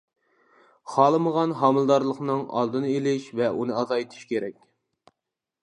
خالىمىغان ھامىلىدارلىقنىڭ ئالدىنى ئېلىش ۋە ئۇنى ئازايتىش كېرەك.